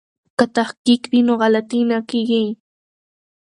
که تحقیق وي نو غلطي نه کیږي.